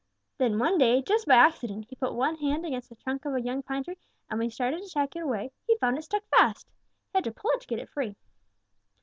Then one day, just by accident, he put one hand against the trunk of a young pine tree, and when he started to take it away, he found it stuck fast. He had to pull to get it free.